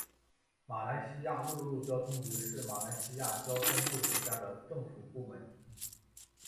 马来西亚陆路交通局是马来西亚交通部属下的政府部门。